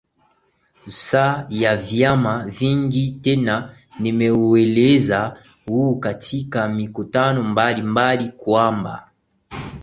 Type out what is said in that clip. sa ya viama vingi tena nimeueleza huu katika mikutano mbali mbali kwamba